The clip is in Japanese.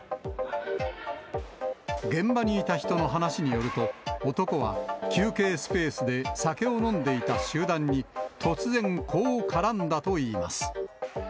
現場にいた人の話によると、男は休憩スペースで酒を飲んでいた集団に、突然、こう絡んだといいます。